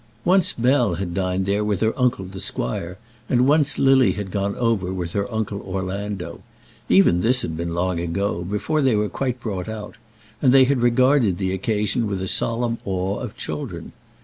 Once Bell had dined there with her uncle, the squire, and once Lily had gone over with her uncle Orlando. Even this had been long ago, before they were quite brought out, and they had regarded the occasion with the solemn awe of children.